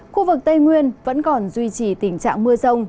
khu vực tây nguyên vẫn còn duy trì tình trạng mưa rông